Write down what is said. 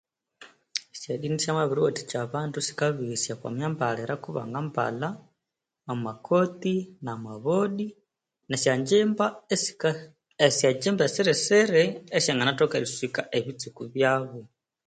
Esyodini syamabiriwathikya abandu sikabeghesya oku myambalire ku bangambalha amakotti amaboddi esyonjjimba esyonyirinyiri esyangathoka eriswika ebitsuko byabo